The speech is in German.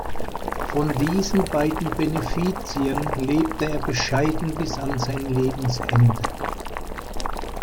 Von diesen beiden Benefizien lebte er bescheiden bis an sein Lebensende.